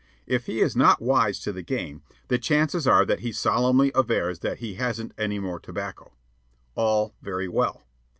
If he is not wise to the game, the chances are that he solemnly avers that he hasn't any more tobacco. All very well.